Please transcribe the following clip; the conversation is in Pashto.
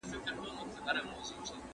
مهمه دا ده چې څوک درسره درېږي او ملاتړ کوي.